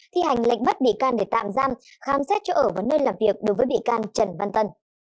thi hành lệnh bắt bị can để tạm giam khám xét chỗ ở và nơi làm việc đối với bị can trần văn tân